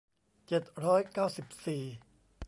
เจ็ดร้อยเก้าสิบสี่